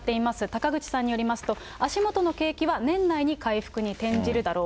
高口さんによりますと、足元の景気は年内に回復に転じるだろう。